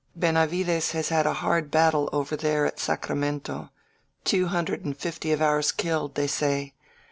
Benavides has had a hard battle over there at Sacramento — ^two hundred and fifty of ours kiUed, they say.